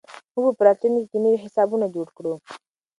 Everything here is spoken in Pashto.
موږ به په راتلونکي کې نوي حسابونه جوړ کړو.